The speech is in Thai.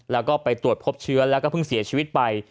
แล้วก็ไปตรวจพบเชื้อแล้วก็เพิ่งเสียชีวิตไป